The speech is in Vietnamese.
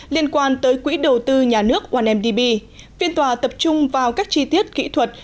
liên quan tới quỹ đầu tư nhà nước ondb phiên tòa tập trung vào các chi tiết kỹ thuật